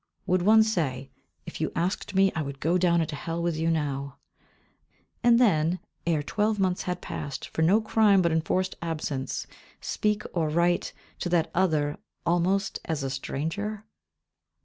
Would one say, "If you asked me, I would go down into hell with you, now," and then, ere twelve months had passed, for no crime but enforced absence, speak or write, to that other, almost as a stranger?